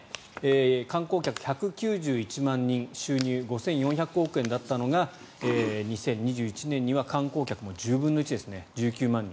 観光客１９１万人収入５４００億円だったのが２０２１年には観光客も１０分の１ですね１９万人。